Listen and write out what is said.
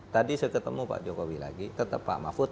tadi saya ketemu pak jokowi lagi tetap pak mahfud